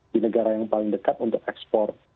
di negara yang paling dekat untuk ekspor